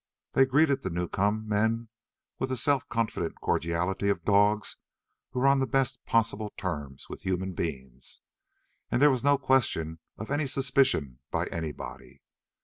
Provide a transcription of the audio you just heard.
They greeted the new come men with the self confident cordiality of dogs who are on the best possible terms with human beings, and there was no question of any suspicion by anybody.